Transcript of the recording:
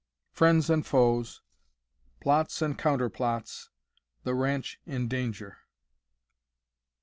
FRIENDS AND FOES PLOTS AND COUNTERPLOTS THE RANCH IN DANGER.